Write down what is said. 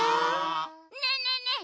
ねえねえねえ